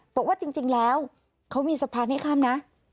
บอกว่าจริงแล้วเขามีสะพานให้ข้ามนะ